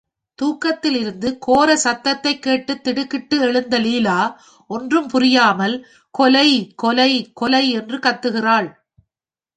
தூக்கத்திலிருந்து கோர சத்தத்தைக் கேட்டுத் திடுக்கிட்டு எழுந்த லீலா ஒன்றும் புரியாமல் கொலை கொலை கொலை என்று கத்துகிறாள்.